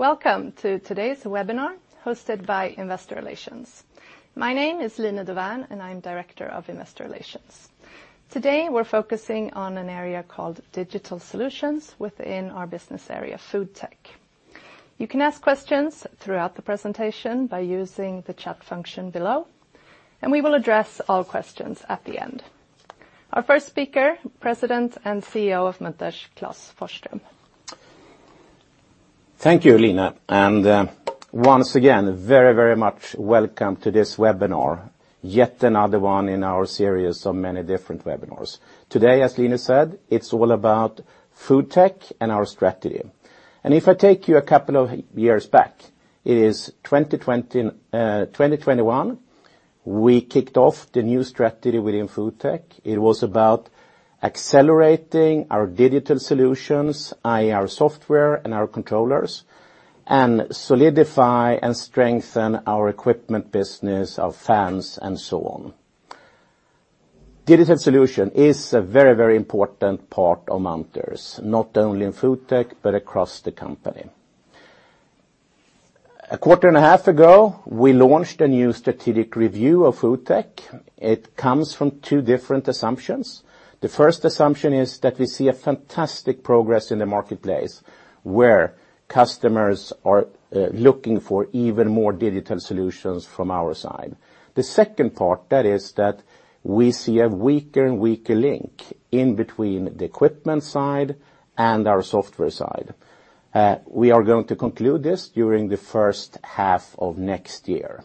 Welcome to today's webinar, hosted by Investor Relations. My name is Line Dovärn, and I'm Director of Investor Relations. Today, we're focusing on an area called Digital Solutions within our business area, FoodTech. You can ask questions throughout the presentation by using the chat function below, and we will address all questions at the end. Our first speaker, President and CEO of Munters, Klas Forsström. Thank you, Line, and, once again, very, very much welcome to this webinar, yet another one in our series of many different webinars. Today, as Line said, it's all about FoodTech and our strategy. And if I take you a couple of years back, it is 2020, 2021, we kicked off the new strategy within FoodTech. It was about accelerating our digital solutions, i.e., our software and our controllers, and solidify and strengthen our equipment business, our fans, and so on. Digital solution is a very, very important part of Munters, not only in FoodTech, but across the company. A quarter and a half ago, we launched a new strategic review of FoodTech. It comes from two different assumptions. The first assumption is that we see a fantastic progress in the marketplace, where customers are, looking for even more digital solutions from our side. The second part, that is that we see a weaker and weaker link in between the equipment side and our software side. We are going to conclude this during the first half of next year.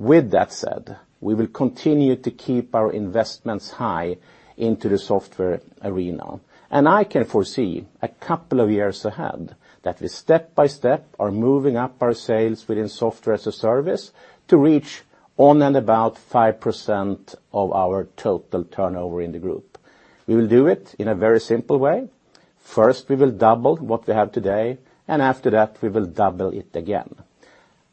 With that said, we will continue to keep our investments high into the software arena, and I can foresee a couple of years ahead that we step by step are moving up our sales within software as a service to reach on and about 5% of our total turnover in the group. We will do it in a very simple way. First, we will double what we have today, and after that, we will double it again.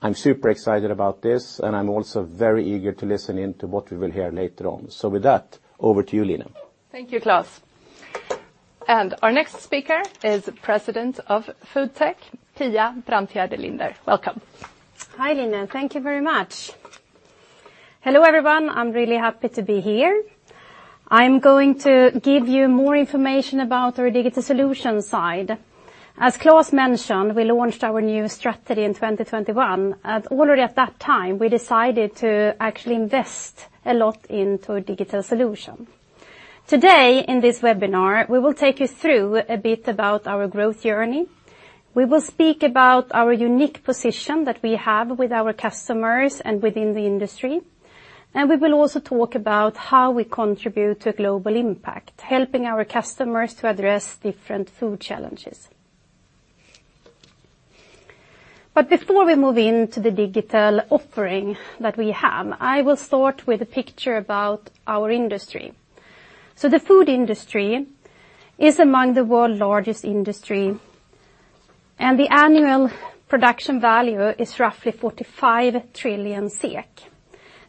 I'm super excited about this, and I'm also very eager to listen in to what we will hear later on. So with that, over to you, Line. Thank you, Klas. Our next speaker is President of FoodTech, Pia Brantgärde Linder. Welcome. Hi, Line. Thank you very much. Hello, everyone. I'm really happy to be here. I'm going to give you more information about our digital solution side. As Klas mentioned, we launched our new strategy in 2021. Already at that time, we decided to actually invest a lot into a digital solution. Today, in this webinar, we will take you through a bit about our growth journey. We will speak about our unique position that we have with our customers and within the industry, and we will also talk about how we contribute to a global impact, helping our customers to address different food challenges. But before we move into the digital offering that we have, I will start with a picture about our industry. So the food industry is among the world's largest industry, and the annual production value is roughly 45 trillion SEK.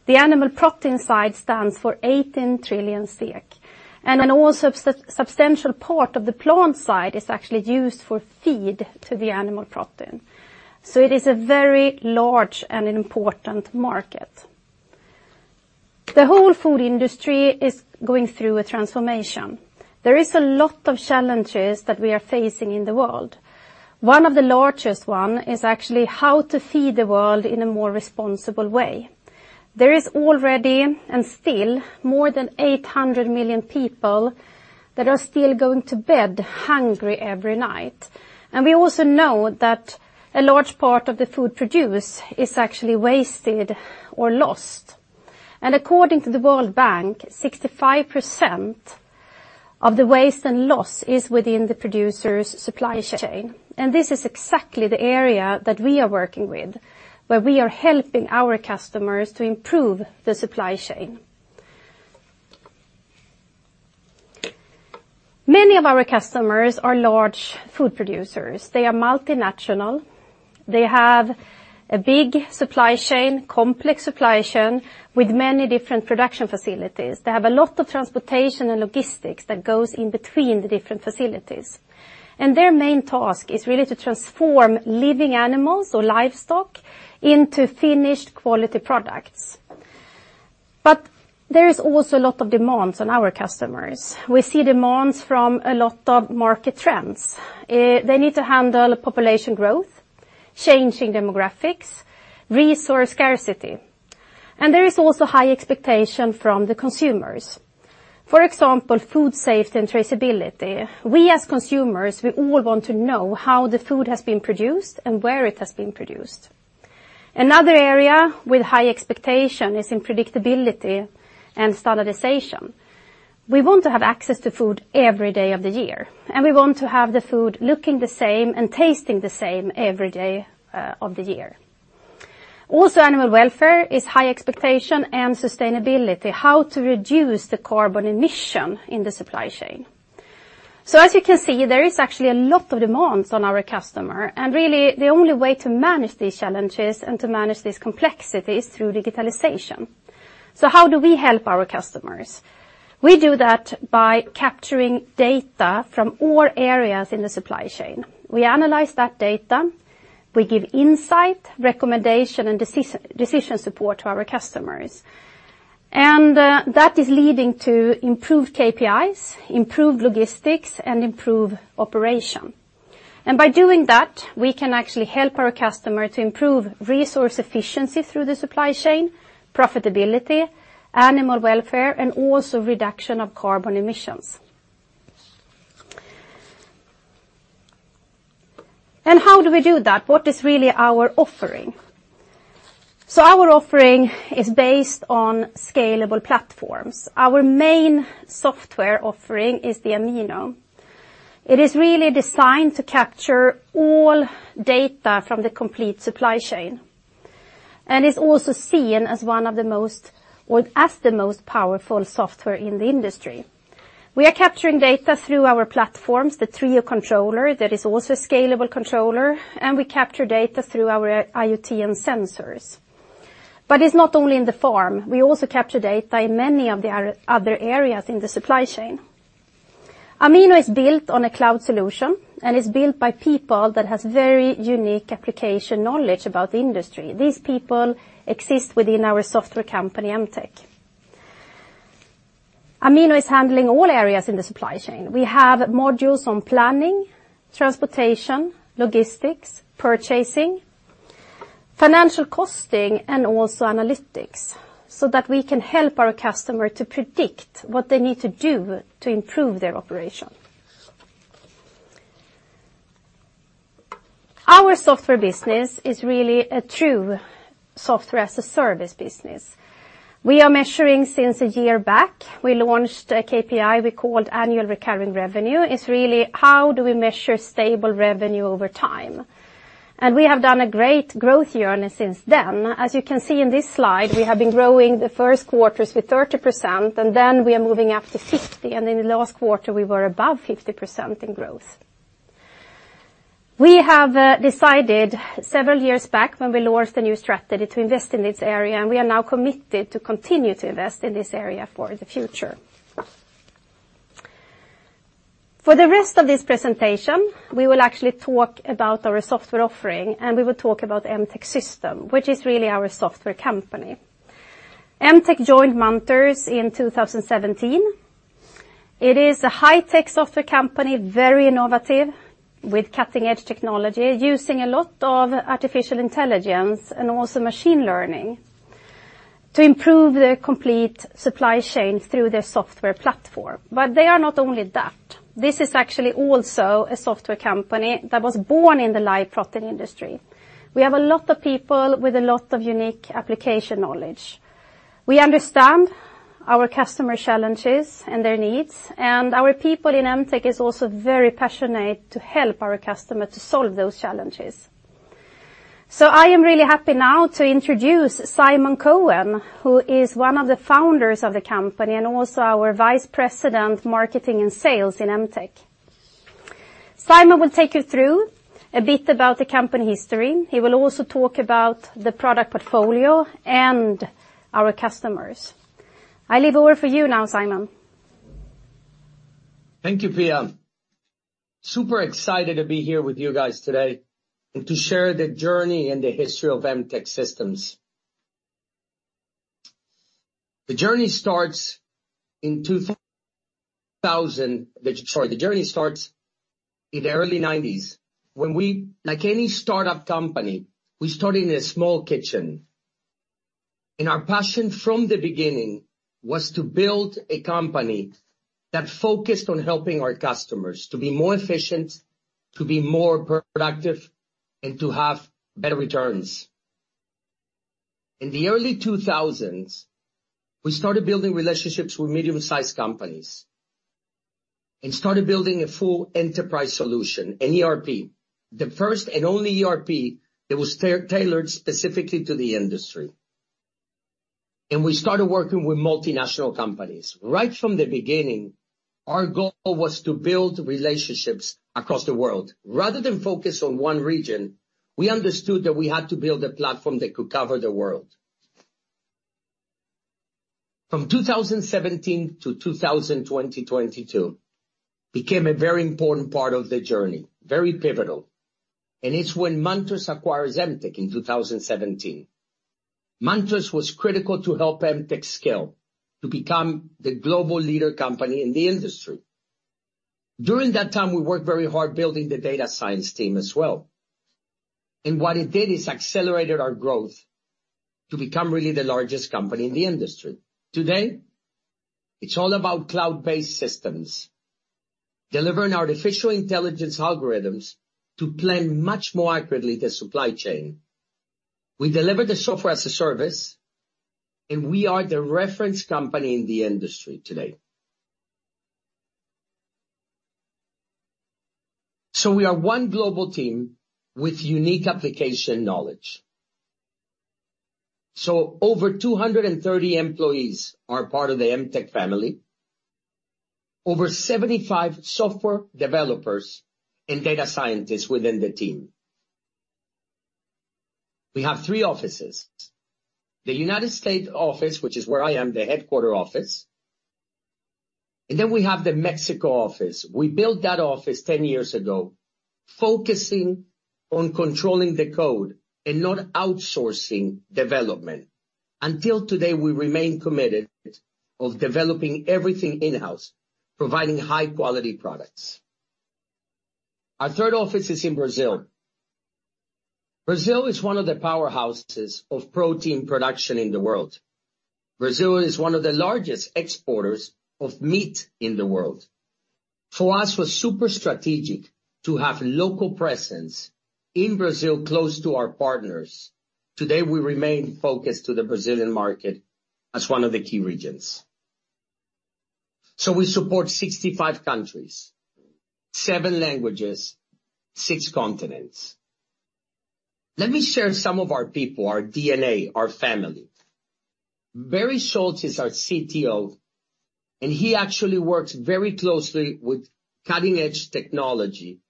The animal protein side stands for 18 trillion SEK, and then also substantial part of the plant side is actually used for feed to the animal protein. So it is a very large and important market. The whole food industry is going through a transformation. There is a lot of challenges that we are facing in the world. One of the largest one is actually how to feed the world in a more responsible way. There is already and still more than 800 million people that are still going to bed hungry every night, and we also know that a large part of the food produced is actually wasted or lost. According to the World Bank, 65% of the waste and loss is within the producer's supply chain, and this is exactly the area that we are working with, where we are helping our customers to improve the supply chain. Many of our customers are large food producers. They are multinational. They have a big supply chain, complex supply chain, with many different production facilities. They have a lot of transportation and logistics that goes in between the different facilities, and their main task is really to transform living animals or livestock into finished quality products. But there is also a lot of demands on our customers. We see demands from a lot of market trends. They need to handle population growth, changing demographics, resource scarcity, and there is also high expectation from the consumers. For example, food safety and traceability. We, as consumers, we all want to know how the food has been produced and where it has been produced. Another area with high expectation is in predictability and standardization. We want to have access to food every day of the year, and we want to have the food looking the same and tasting the same every day of the year. Also, animal welfare is high expectation and sustainability, how to reduce the carbon emission in the supply chain. So as you can see, there is actually a lot of demands on our customer, and really, the only way to manage these challenges and to manage these complexities is through digitalization. So how do we help our customers? We do that by capturing data from all areas in the supply chain. We analyze that data. We give insight, recommendation, and decision support to our customers. That is leading to improved KPIs, improved logistics, and improved operation. By doing that, we can actually help our customer to improve resource efficiency through the supply chain, profitability, animal welfare, and also reduction of carbon emissions. How do we do that? What is really our offering? Our offering is based on scalable platforms. Our main software offering is the Amino. It is really designed to capture all data from the complete supply chain, and it's also seen as one of the most, or as the most powerful software in the industry. We are capturing data through our platforms, the Trio controller, that is also a scalable controller, and we capture data through our IoT and sensors. But it's not only in the farm, we also capture data in many of the other areas in the supply chain. Amino is built on a cloud solution, and it's built by people that has very unique application knowledge about the industry. These people exist within our software company, MTech. Amino is handling all areas in the supply chain. We have modules on planning, transportation, logistics, purchasing, financial costing, and also analytics, so that we can help our customer to predict what they need to do to improve their operation. Our software business is really a true software as a service business. We are measuring since a year back. We launched a KPI we called Annual Recurring Revenue. It's really how do we measure stable revenue over time? We have done a great growth journey since then. As you can see in this slide, we have been growing the first quarters with 30%, and then we are moving up to 50%, and in the last quarter, we were above 50% in growth. We have decided several years back when we launched the new strategy to invest in this area, and we are now committed to continue to invest in this area for the future. For the rest of this presentation, we will actually talk about our software offering, and we will talk about MTech Systems, which is really our software company. MTech Systems joined Munters in 2017. It is a high-tech software company, very innovative, with cutting-edge technology, using a lot of artificial intelligence and also machine learning, to improve the complete supply chain through their software platform. But they are not only that. This is actually also a software company that was born in the live protein industry. We have a lot of people with a lot of unique application knowledge. We understand our customer challenges and their needs, and our people in MTech is also very passionate to help our customer to solve those challenges. So I am really happy now to introduce Simon Cohen, who is one of the founders of the company and also our Vice President, Marketing and Sales in MTech. Simon will take you through a bit about the company history. He will also talk about the product portfolio and our customers. I leave over for you now, Simon. Thank you, Pia. Super excited to be here with you guys today and to share the journey and the history of MTech Systems. The journey starts in the early 1990s, when we, like any startup company, we started in a small kitchen, and our passion from the beginning was to build a company that focused on helping our customers to be more efficient, to be more productive, and to have better returns. In the early 2000s, we started building relationships with medium-sized companies and started building a full enterprise solution, an ERP, the first and only ERP that was tailored specifically to the industry. We started working with multinational companies. Right from the beginning, our goal was to build relationships across the world. Rather than focus on one region, we understood that we had to build a platform that could cover the world. From 2017 to 2022 became a very important part of the journey, very pivotal, and it's when Munters acquires MTech in 2017. Munters was critical to help MTech scale to become the global leader company in the industry. During that time, we worked very hard building the data science team as well, and what it did is accelerated our growth to become really the largest company in the industry. Today, it's all about cloud-based systems, delivering artificial intelligence algorithms to plan much more accurately the supply chain. We deliver the software as a service, and we are the reference company in the industry today. So we are one global team with unique application knowledge. So over 230 employees are part of the MTech family. Over 75 software developers and data scientists within the team. We have 3 offices: the United States office, which is where I am, the headquarters office. And then we have the Mexico office. We built that office 10 years ago, focusing on controlling the code and not outsourcing development. Until today, we remain committed of developing everything in-house, providing high-quality products. Our third office is in Brazil. Brazil is one of the powerhouses of protein production in the world. Brazil is one of the largest exporters of meat in the world. For us, was super strategic to have local presence in Brazil, close to our partners. Today, we remain focused to the Brazilian market as one of the key regions. So we support 65 countries, 7 languages, 6 continents. Let me share some of our people, our DNA, our family. Barry Schultz is our CTO, and he actually works very closely with cutting-edge technology,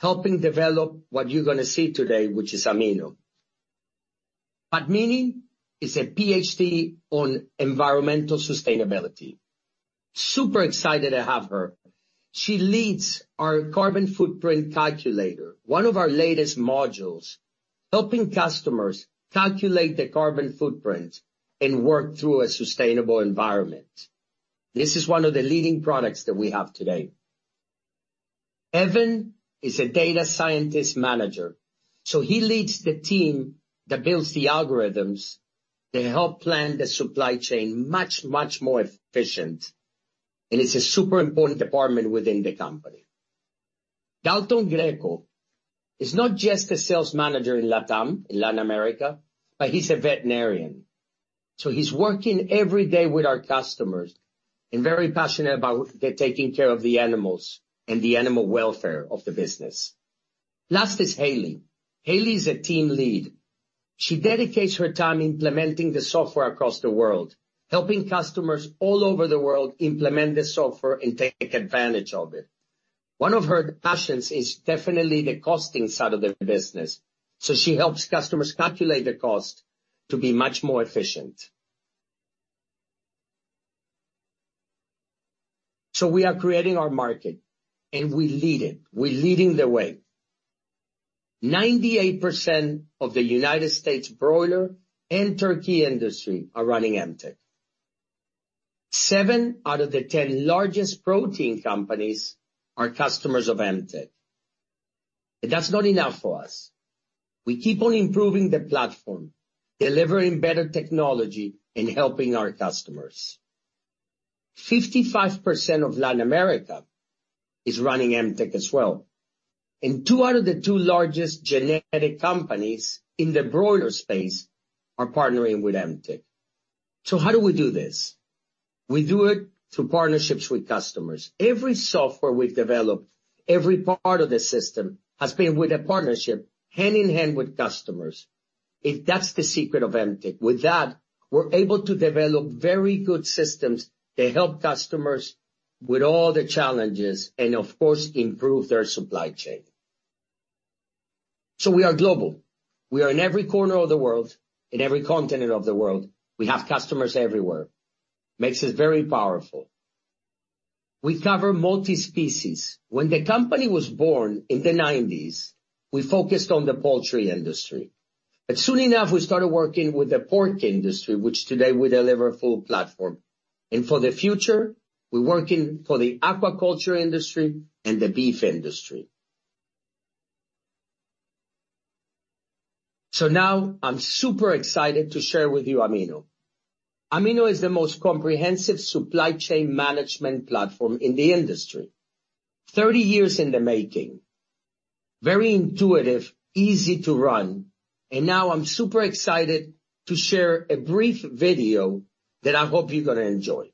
helping develop what you're going to see today, which is Amino. Padmini is a PhD on environmental sustainability. Super excited to have her. She leads our carbon footprint calculator, one of our latest modules, helping customers calculate their carbon footprint and work through a sustainable environment. This is one of the leading products that we have today. Evan is a data scientist manager, so he leads the team that builds the algorithms to help plan the supply chain much, much more efficient, and it's a super important department within the company. Dalton Greco is not just a sales manager in LATAM, in Latin America, but he's a veterinarian, so he's working every day with our customers and very passionate about the taking care of the animals and the animal welfare of the business. Last is Haley. Haley is a team lead. She dedicates her time implementing the software across the world, helping customers all over the world implement the software and take advantage of it. One of her passions is definitely the costing side of the business, so she helps customers calculate the cost to be much more efficient. We are creating our market, and we lead it. We're leading the way. 98% of the United States broiler and turkey industry are running MTech. 7 out of the 10 largest protein companies are customers of MTech, and that's not enough for us. We keep on improving the platform, delivering better technology, and helping our customers. 55% of Latin America is running MTech as well, and 2 out of the 2 largest genetic companies in the broiler space are partnering with MTech. So how do we do this? We do it through partnerships with customers. Every software we've developed, every part of the system, has been with a partnership, hand in hand with customers. And that's the secret of MTech. With that, we're able to develop very good systems that help customers with all the challenges and, of course, improve their supply chain. So we are global. We are in every corner of the world, in every continent of the world. We have customers everywhere. Makes us very powerful. We cover multi-species. When the company was born in the 1990s, we focused on the poultry industry, but soon enough, we started working with the pork industry, which today we deliver a full platform. For the future, we're working for the aquaculture industry and the beef industry. Now I'm super excited to share with you Amino. Amino is the most comprehensive supply chain management platform in the industry. 30 years in the making, very intuitive, easy to run, and now I'm super excited to share a brief video that I hope you're going to enjoy.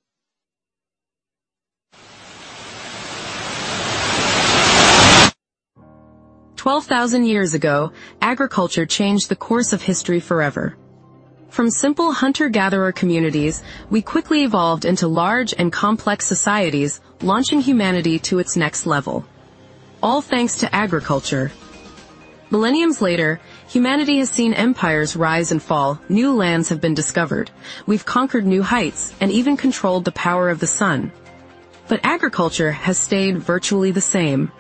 12,000 years ago, agriculture changed the course of history forever. From simple hunter-gatherer communities, we quickly evolved into large and complex societies, launching humanity to its next level, all thanks to agriculture. Millennia later, humanity has seen empires rise and fall. New lands have been discovered. We've conquered new heights and even controlled the power of the sun, but agriculture has stayed virtually the same,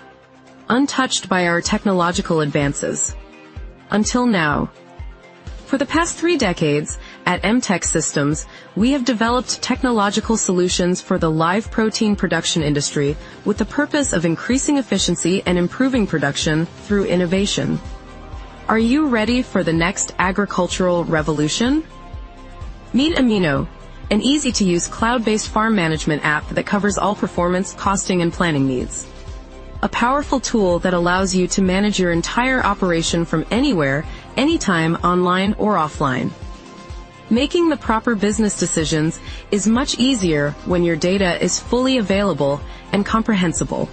untouched by our technological advances, until now. For the past three decades, at MTech Systems, we have developed technological solutions for the live protein production industry with the purpose of increasing efficiency and improving production through innovation. Are you ready for the next agricultural revolution? Meet Amino, an easy-to-use, cloud-based farm management app that covers all performance, costing, and planning needs. A powerful tool that allows you to manage your entire operation from anywhere, anytime, online or offline. Making the proper business decisions is much easier when your data is fully available and comprehensible.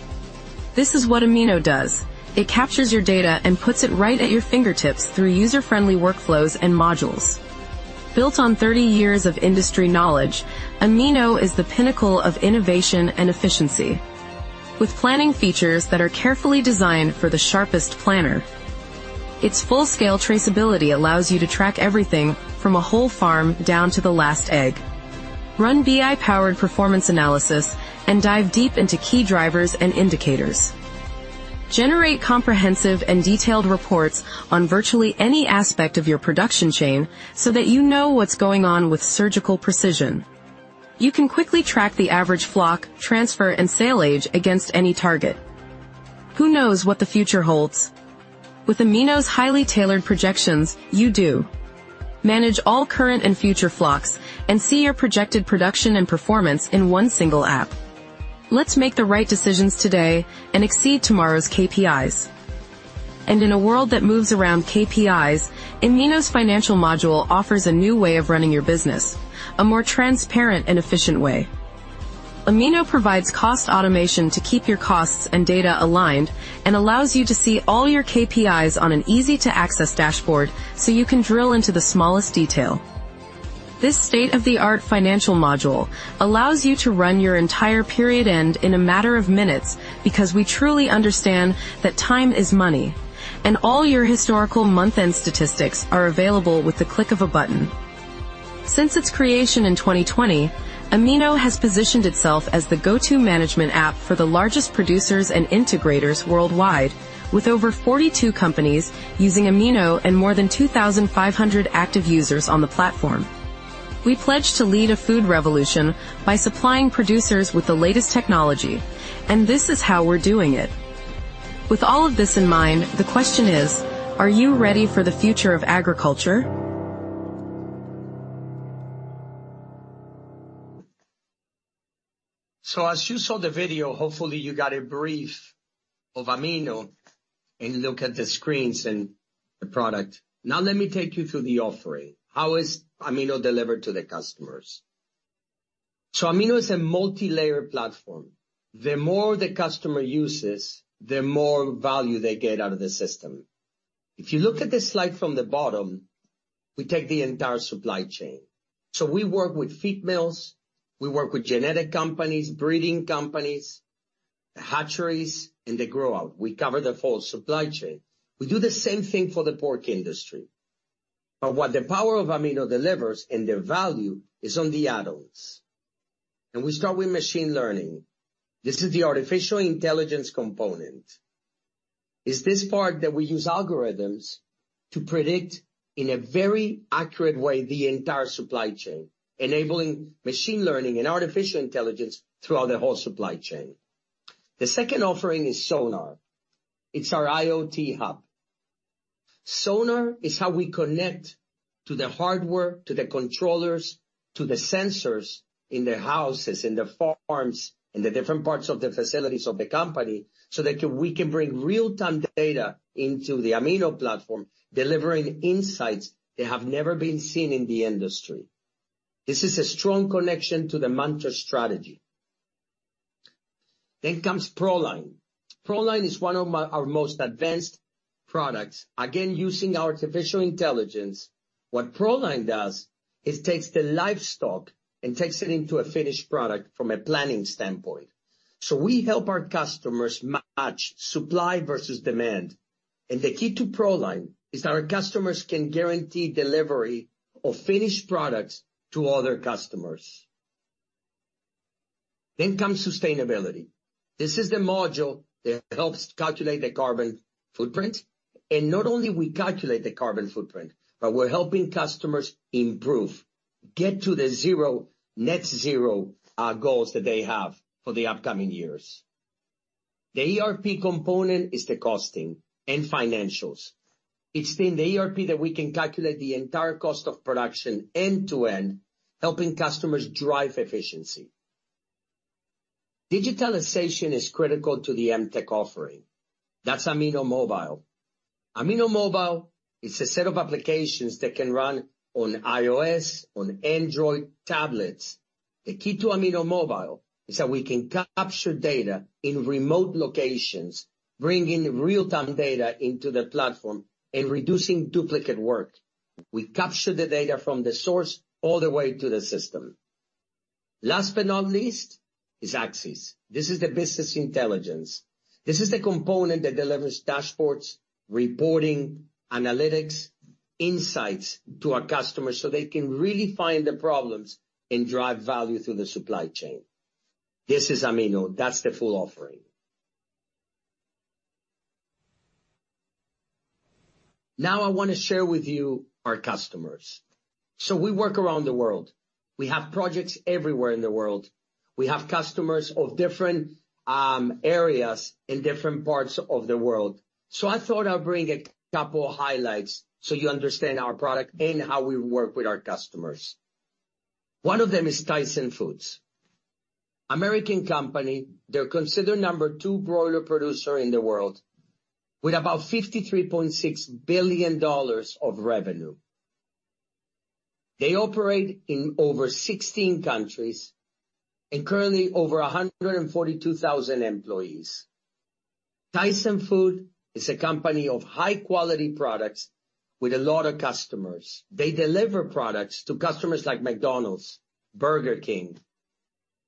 This is what Amino does. It captures your data and puts it right at your fingertips through user-friendly workflows and modules. Built on 30 years of industry knowledge, Amino is the pinnacle of innovation and efficiency, with planning features that are carefully designed for the sharpest planner.... Its full-scale traceability allows you to track everything from a whole farm down to the last egg. Run BI-powered performance analysis and dive deep into key drivers and indicators. Generate comprehensive and detailed reports on virtually any aspect of your production chain so that you know what's going on with surgical precision. You can quickly track the average flock, transfer, and sale age against any target. Who knows what the future holds? With Amino's highly tailored projections, you do. Manage all current and future flocks and see your projected production and performance in one single app. Let's make the right decisions today and exceed tomorrow's KPIs. In a world that moves around KPIs, Amino's financial module offers a new way of running your business, a more transparent and efficient way. Amino provides cost automation to keep your costs and data aligned, and allows you to see all your KPIs on an easy-to-access dashboard, so you can drill into the smallest detail. This state-of-the-art financial module allows you to run your entire period end in a matter of minutes, because we truly understand that time is money, and all your historical month-end statistics are available with the click of a button. Since its creation in 2020, Amino has positioned itself as the go-to management app for the largest producers and integrators worldwide, with over 42 companies using Amino and more than 2,500 active users on the platform. We pledge to lead a food revolution by supplying producers with the latest technology, and this is how we're doing it. With all of this in mind, the question is: Are you ready for the future of agriculture? So as you saw the video, hopefully, you got a brief of Amino, and look at the screens and the product. Now let me take you through the offering. How is Amino delivered to the customers? So Amino is a multilayered platform. The more the customer uses, the more value they get out of the system. If you look at this slide from the bottom, we take the entire supply chain. So we work with feed mills, we work with genetic companies, breeding companies, hatcheries, and the grow-out. We cover the full supply chain. We do the same thing for the pork industry. But what the power of Amino delivers and their value is on the add-ons, and we start with machine learning. This is the artificial intelligence component. It's this part that we use algorithms to predict, in a very accurate way, the entire supply chain, enabling machine learning and artificial intelligence throughout the whole supply chain. The second offering is Sonar. It's our IoT hub. Sonar is how we connect to the hardware, to the controllers, to the sensors in the houses, in the farms, in the different parts of the facilities of the company, so that we can bring real-time data into the Amino platform, delivering insights that have never been seen in the industry. This is a strong connection to the Mantra strategy. Then comes Proline. Proline is one of my- our most advanced products, again, using artificial intelligence. What Proline does, is takes the livestock and takes it into a finished product from a planning standpoint. So we help our customers match supply versus demand, and the key to Proline is that our customers can guarantee delivery of finished products to other customers. Then comes sustainability. This is the module that helps calculate the carbon footprint, and not only we calculate the carbon footprint, but we're helping customers improve, get to the zero, net zero, goals that they have for the upcoming years. The ERP component is the costing and financials. It's in the ERP that we can calculate the entire cost of production end to end, helping customers drive efficiency. Digitalization is critical to the MTech offering. That's Amino Mobile. Amino Mobile is a set of applications that can run on iOS, on Android tablets. The key to Amino Mobile is that we can capture data in remote locations, bringing real-time data into the platform and reducing duplicate work. We capture the data from the source all the way to the system. Last but not least, is Axis. This is the business intelligence. This is the component that delivers dashboards, reporting, analytics, insights to our customers, so they can really find the problems and drive value through the supply chain. This is Amino. That's the full offering. Now I want to share with you our customers. So we work around the world. We have projects everywhere in the world. We have customers of different areas in different parts of the world. So I thought I'd bring a couple of highlights so you understand our product and how we work with our customers. One of them is Tyson Foods. American company, they're considered number 2 broiler producer in the world, with about $53.6 billion of revenue. They operate in over 16 countries and currently over 142,000 employees. Tyson Foods is a company of high-quality products with a lot of customers. They deliver products to customers like McDonald's, Burger King,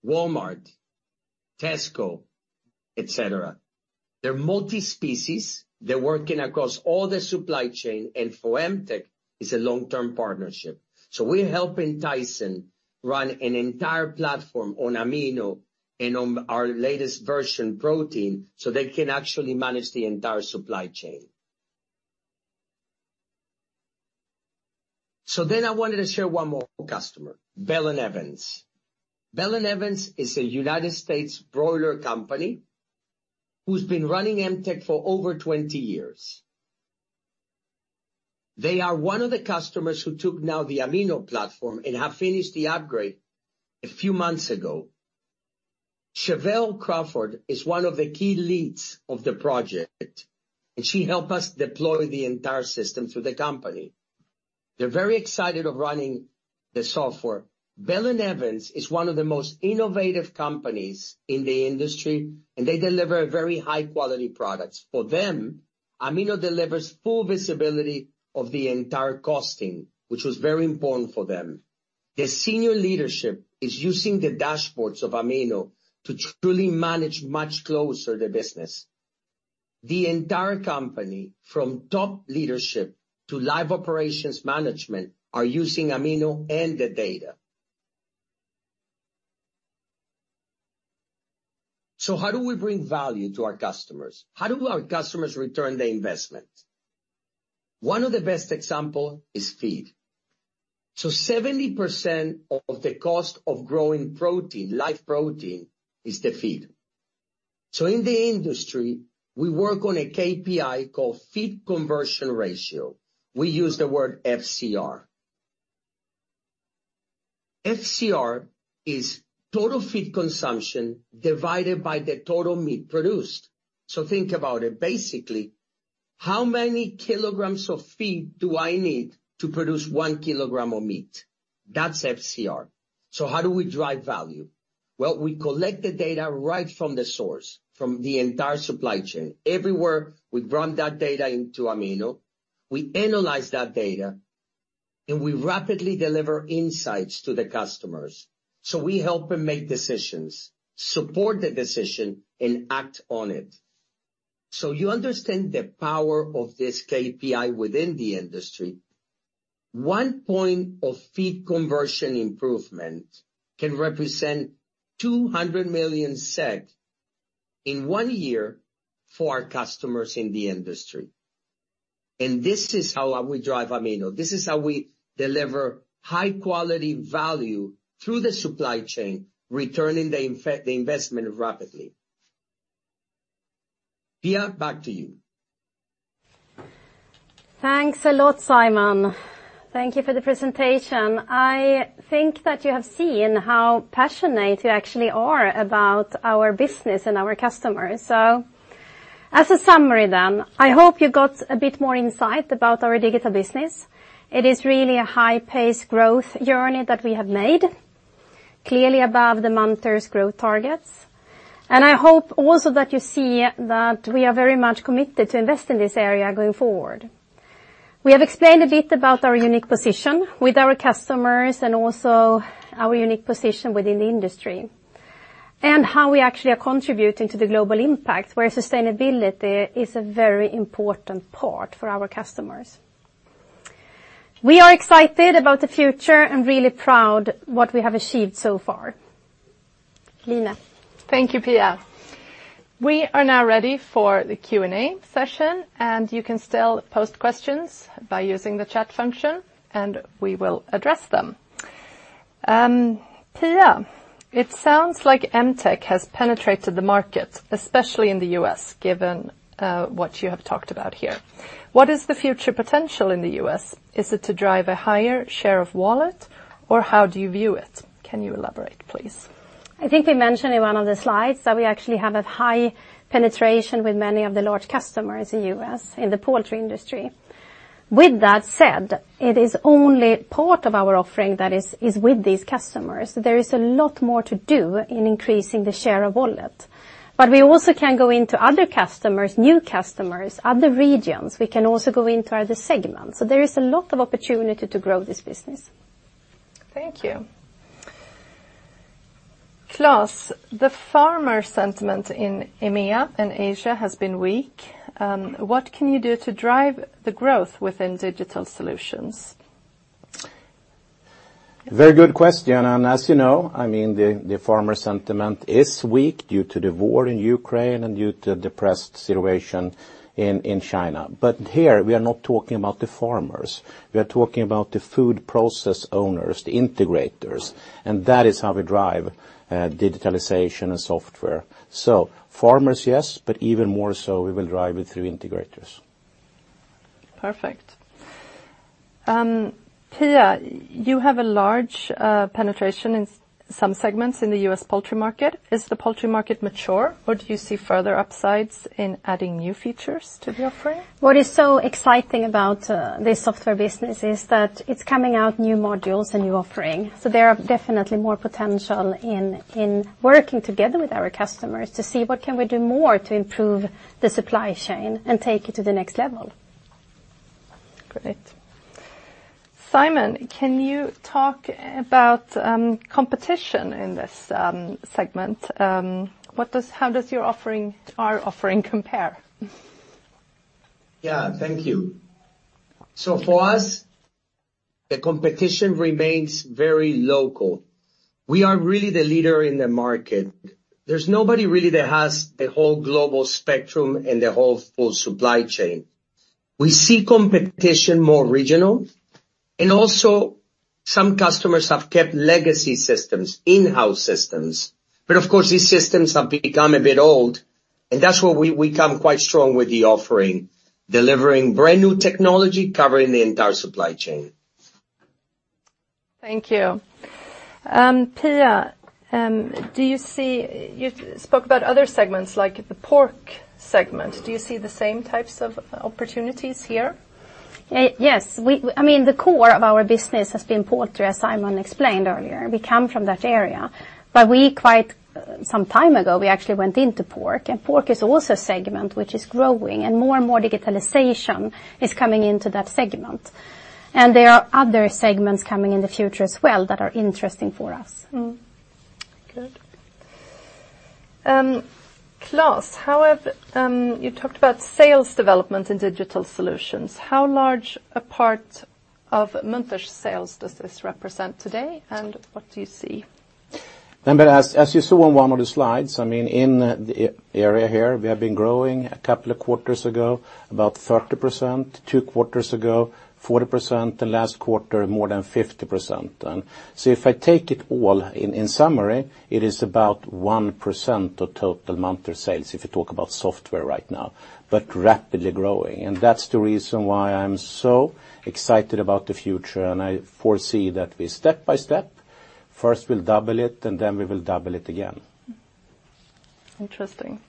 Walmart, Tesco, et cetera. They're multi-species. They're working across all the supply chain, and for MTech, it's a long-term partnership. So we're helping Tyson run an entire platform on Amino and on our latest version, Proline, so they can actually manage the entire supply chain. So then I wanted to share one more customer, Bell & Evans. Bell & Evans is a United States broiler company who's been running MTech for over 20 years. They are one of the customers who took now the Amino platform and have finished the upgrade a few months ago. Chevele Crawford is one of the key leads of the project, and she helped us deploy the entire system through the company. They're very excited of running the software. Bell & Evans is one of the most innovative companies in the industry, and they deliver very high-quality products. For them, Amino delivers full visibility of the entire costing, which was very important for them. The senior leadership is using the dashboards of Amino to truly manage much closer their business. The entire company, from top leadership to live operations management, are using Amino and the data. So how do we bring value to our customers? How do our customers return the investment? One of the best example is feed. So 70% of the cost of growing protein, live protein, is the feed. So in the industry, we work on a KPI called Feed Conversion ratio. We use the word FCR. FCR is total feed consumption divided by the total meat produced. So think about it. Basically, how many kilograms of feed do I need to produce one kilogram of meat? That's FCR. So how do we drive value? Well, we collect the data right from the source, from the entire supply chain. Everywhere, we run that data into Amino, we analyze that data, and we rapidly deliver insights to the customers. So we help them make decisions, support the decision, and act on it. So you understand the power of this KPI within the industry. One point of feed conversion improvement can represent 200 million SEK in one year for our customers in the industry, and this is how we drive Amino. This is how we deliver high-quality value through the supply chain, returning the inve- the investment rapidly. Pia, back to you. Thanks a lot, Simon. Thank you for the presentation. I think that you have seen how passionate you actually are about our business and our customers. So as a summary then, I hope you got a bit more insight about our digital business. It is really a high-paced growth journey that we have made, clearly above the Munters growth targets. And I hope also that you see that we are very much committed to invest in this area going forward. We have explained a bit about our unique position with our customers and also our unique position within the industry, and how we actually are contributing to the global impact, where sustainability is a very important part for our customers. We are excited about the future and really proud what we have achieved so far. Line? Thank you, Pia. We are now ready for the Q&A session, and you can still post questions by using the chat function, and we will address them. Pia, it sounds like MTech has penetrated the market, especially in the U.S., given what you have talked about here. What is the future potential in the U.S.? Is it to drive a higher share of wallet, or how do you view it? Can you elaborate, please? I think we mentioned in one of the slides that we actually have a high penetration with many of the large customers in the U.S., in the poultry industry. With that said, it is only part of our offering that is with these customers. There is a lot more to do in increasing the share of wallet. But we also can go into other customers, new customers, other regions. We can also go into other segments. So there is a lot of opportunity to grow this business. Thank you. Klas, the farmer sentiment in EMEA and Asia has been weak. What can you do to drive the growth within digital solutions? Very good question, and as you know, I mean, the farmer sentiment is weak due to the war in Ukraine and due to depressed situation in China. But here we are not talking about the farmers. We are talking about the food process owners, the integrators, and that is how we drive digitalization and software. So farmers, yes, but even more so, we will drive it through integrators. Perfect. Pia, you have a large penetration in some segments in the U.S. poultry market. Is the poultry market mature, or do you see further upsides in adding new features to the offering? What is so exciting about this software business is that it's coming out new modules and new offering, so there are definitely more potential in working together with our customers to see what can we do more to improve the supply chain and take it to the next level. Great! Simon, can you talk about, competition in this, segment? What does—how does your offering, our offering compare? Yeah, thank you. So for us, the competition remains very local. We are really the leader in the market. There's nobody really that has the whole global spectrum and the whole full supply chain. We see competition more regional, and also some customers have kept legacy systems, in-house systems. But of course, these systems have become a bit old, and that's where we come quite strong with the offering, delivering brand-new technology, covering the entire supply chain. Thank you. Pia, do you see... You spoke about other segments like the pork segment. Do you see the same types of opportunities here? Yes. We, I mean, the core of our business has been poultry, as Simon explained earlier. We come from that area, but quite some time ago, we actually went into pork, and pork is also a segment which is growing, and more and more digitalization is coming into that segment. And there are other segments coming in the future as well that are interesting for us. Good. Klas, how have... You talked about sales development in digital solutions. How large a part of Munters' sales does this represent today, and what do you see? December, as you saw on one of the slides, I mean, in the area here, we have been growing a couple of quarters ago, about 30%, two quarters ago, 40%, and last quarter, more than 50%. So if I take it all, in summary, it is about 1% of total Munters sales, if you talk about software right now, but rapidly growing. That's the reason why I'm so excited about the future, and I foresee that we step by step, first we'll double it, and then we will double it again. Interesting.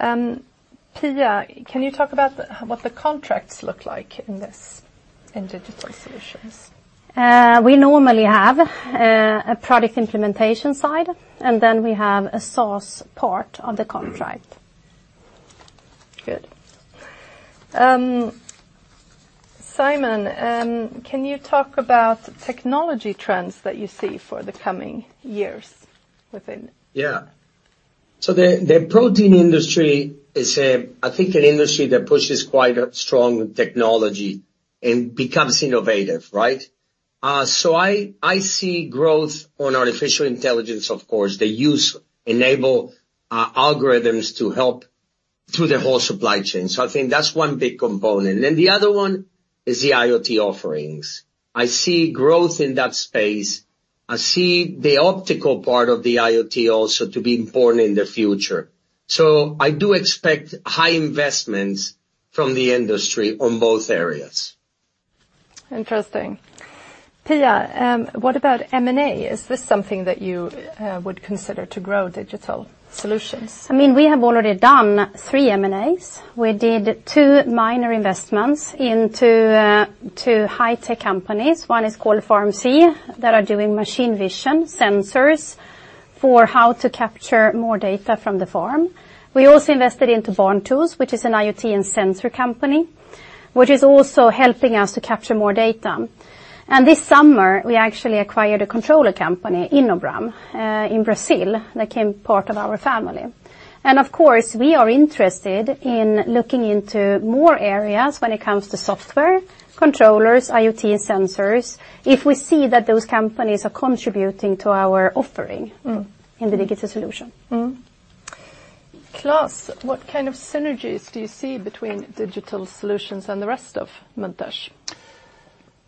Pia, can you talk about the, what the contracts look like in this, in digital solutions? We normally have a product implementation side, and then we have a source part of the contract. Good. Simon, can you talk about technology trends that you see for the coming years within? Yeah. So the protein industry is a, I think, an industry that pushes quite a strong technology and becomes innovative, right? So I see growth on artificial intelligence, of course, the use enable algorithms to help through the whole supply chain. So I think that's one big component. Then the other one is the IoT offerings. I see growth in that space. I see the optical part of the IoT also to be important in the future. So I do expect high investments from the industry on both areas. Interesting. Pia, what about M&A? Is this something that you would consider to grow digital solutions? I mean, we have already done three M&As. We did two minor investments into two high tech companies. One is called FarmSee, that are doing machine vision sensors for how to capture more data from the farm. We also invested into BarnTools, which is an IoT and sensor company, which is also helping us to capture more data. And this summer, we actually acquired a controller company, InoBram, in Brazil. They became part of our family. And of course, we are interested in looking into more areas when it comes to software, controllers, IoT sensors, if we see that those companies are contributing to our offering in the digital solution. Klas, what kind of synergies do you see between digital solutions and the rest of Munters?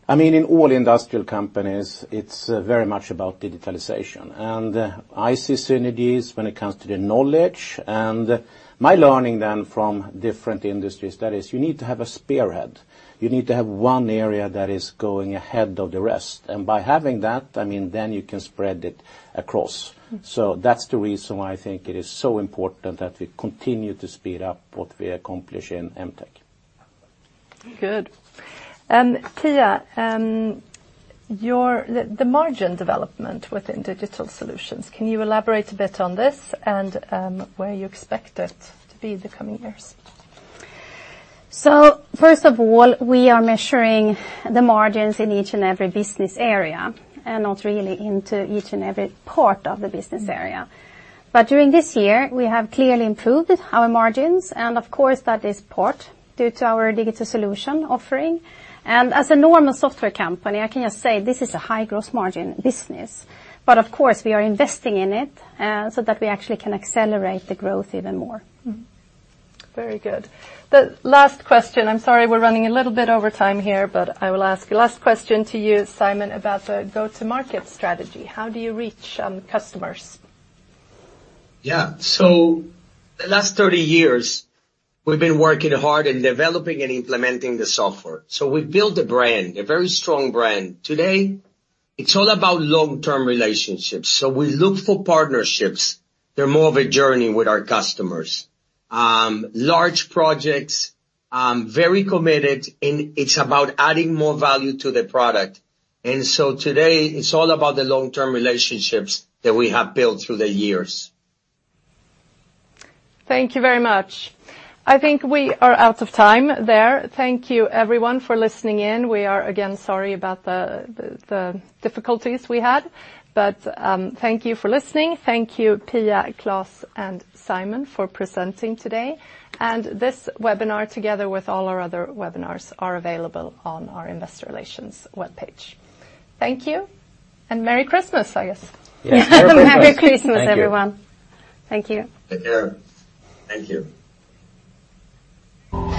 I mean, in all industrial companies, it's very much about digitalization. And I see synergies when it comes to the knowledge, and my learning then from different industries, that is, you need to have a spearhead. You need to have one area that is going ahead of the rest. And by having that, I mean, then you can spread it across. That's the reason why I think it is so important that we continue to speed up what we accomplish in MTech. Good. Pia, the margin development within digital solutions, can you elaborate a bit on this and where you expect it to be in the coming years? So first of all, we are measuring the margins in each and every business area, and not really into each and every part of the business area. But during this year, we have clearly improved our margins, and of course, that is part due to our digital solution offering. And as a normal software company, I can just say this is a high gross margin business, but of course, we are investing in it, so that we actually can accelerate the growth even more. Very good. The last question... I'm sorry, we're running a little bit over time here, but I will ask a last question to you, Simon, about the go-to-market strategy. How do you reach customers? Yeah. So the last 30 years, we've been working hard in developing and implementing the software. So we've built a brand, a very strong brand. Today, it's all about long-term relationships, so we look for partnerships. They're more of a journey with our customers. Large projects, very committed, and it's about adding more value to the product. And so today, it's all about the long-term relationships that we have built through the years. Thank you very much. I think we are out of time there. Thank you, everyone, for listening in. We are, again, sorry about the difficulties we had, but thank you for listening. Thank you, Pia, Klas, and Simon for presenting today. This webinar, together with all our other webinars, are available on our Investor Relations webpage. Thank you, and merry Christmas, I guess. Yes, Merry Christmas. Merry Christmas, everyone. Thank you. Thank you. Take care. Thank you.